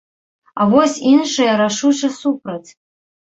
А вось іншыя рашуча супраць.